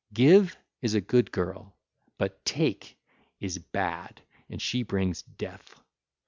Give is a good girl, but Take is bad and she brings death.